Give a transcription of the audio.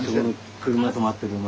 車止まってる前。